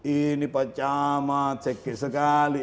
ini pak camat cek kes sekali